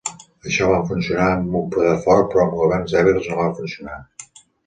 Això va funcionar amb un poder fort però amb governs dèbils no va funcionar.